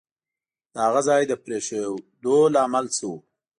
د هغه ځای د پرېښودو لامل څه وو؟